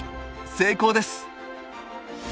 成功です！